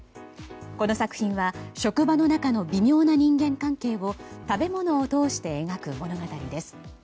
この作品は職場の中の微妙な人間関係を食べ物を通して描く物語です。